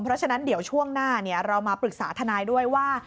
เพราะฉะนั้นเดี๋ยวช่วงหน้าเรามาปรึกษาทนายด้วยว่า